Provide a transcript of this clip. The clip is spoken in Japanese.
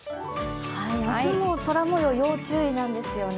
明日も空もよう、要注意なんですよね。